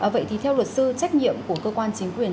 vậy thì theo luật sư trách nhiệm của cơ quan chính quyền